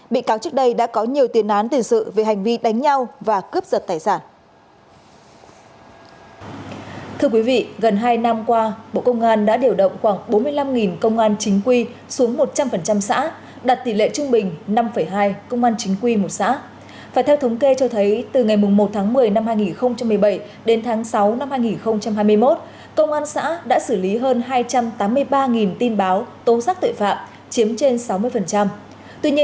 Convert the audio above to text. bị cáo trước đây đã có nhiều tiền án tình sự về hành vi đánh nhau và cướp giật tài sản